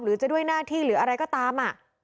หรือจะด้วยหน้าที่หรืออะไรก็ตามอ่ะ